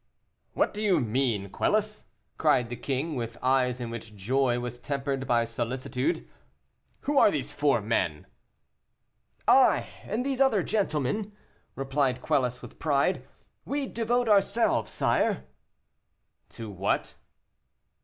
"What do you mean, Quelus?" cried the king, with eyes in which joy was tempered by solicitude; "who are these four men?" "I, and these other gentlemen," replied Quelus, with pride; "we devote ourselves, sire." "To what?"